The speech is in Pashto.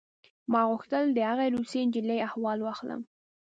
ما غوښتل د هغې روسۍ نجلۍ احوال واخلم